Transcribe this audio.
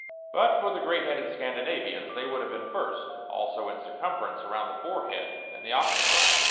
But for the great headed Scandinavians, they would have been first, also, in circumference around the forehead and occiput.